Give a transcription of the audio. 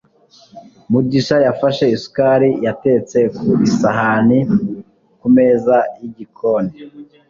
mugisha yafashe isukari yatetse ku isahani kumeza yigikoni